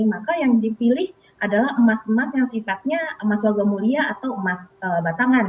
maka yang dipilih adalah emas emas yang sifatnya emas logam mulia atau emas batangan